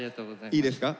いいですか？